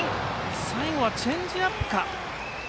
最後はチェンジアップか。